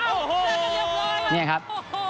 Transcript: โอ้โหนี่ครับ